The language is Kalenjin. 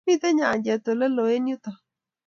Mito nyanjet ole loo eng yutok